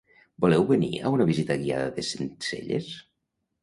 Voleu venir a una visita guiada de Centcelles?